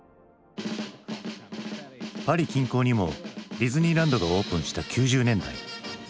パリ近郊にもディズニーランドがオープンした９０年代。